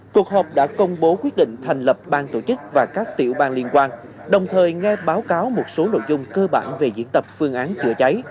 cuộc họp đã công bố quyết định thành lập ban tổ chức và các tiểu ban liên quan đồng thời nghe báo cáo một số nội dung cơ bản về diễn tập phương án chữa cháy